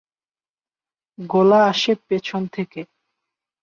গোলা আসে পেছন থেকে।